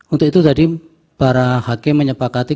untuk itu tadi para hakim menyepakati